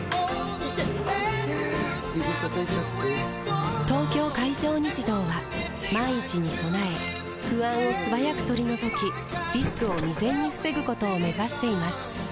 指たたいちゃって・・・「東京海上日動」は万一に備え不安を素早く取り除きリスクを未然に防ぐことを目指しています